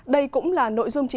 đây cũng là nội dung